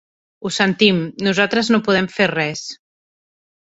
Ho sentim, nosaltres no podem fer res.